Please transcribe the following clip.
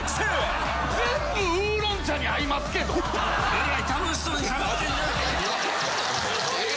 えらい楽しそうに喋ってんな。